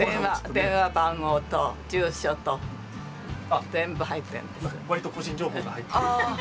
電話番号と住所と全部入っているんです。